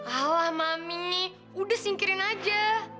alah mami nih udah singkirin aja